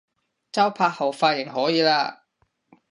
周柏豪髮型可以喇